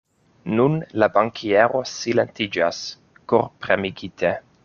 Nun la bankiero silentiĝas, korpremegite.